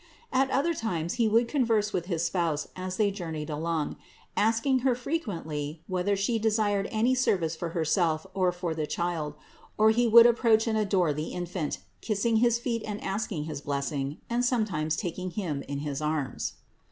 At other times he would converse with his Spouse as they journeyed along, asking Her frequently whether She desired any service for Herself or for the Child ; or he would approach and adore the Infant, kiss ing his feet and asking his blessing, and sometimes taking Him in his arms.